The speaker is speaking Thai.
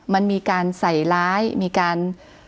มันมีการใส่ร้ายมีการ